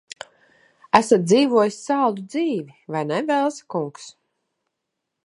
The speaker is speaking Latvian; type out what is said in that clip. Esat dzīvojis saldu dzīvi, vai ne, Velsa kungs?